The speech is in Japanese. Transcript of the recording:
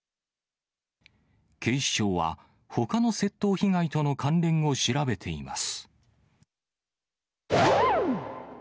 警視庁は、ほかの窃盗被害との関連を調べています。